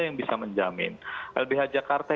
yang bisa menjamin lbh jakarta